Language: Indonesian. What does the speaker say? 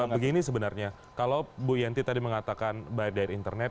begini sebenarnya kalau bu yanti tadi mengatakan by dari internet